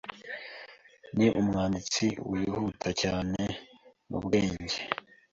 Ni umwanditsi wihuta cyane mubwenge